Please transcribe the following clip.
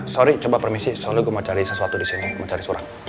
sorry coba permisi soalnya mau cari sesuatu disini mencari surat